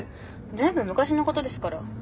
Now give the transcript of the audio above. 全部昔のことですから。